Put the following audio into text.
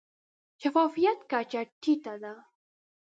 د شفافیت کچه ټیټه ده.